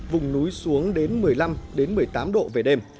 vùng núi xuống đến một mươi năm một mươi tám độ về đêm